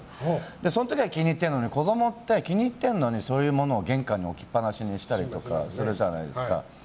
その時は気に入っているのに子供ってそういうのを玄関に置きっぱなしとかにするじゃないですか。